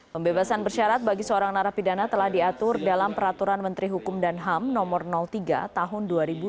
pembebasan bersyarat bagi seorang narapidana telah diatur dalam peraturan menteri hukum dan ham nomor tiga tahun dua ribu dua puluh